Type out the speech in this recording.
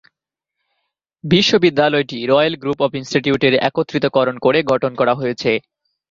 বিশ্ববিদ্যালয়টি royal group of ইনস্টিটিউটের একত্রিত করণ করে গঠন করা হয়েছে।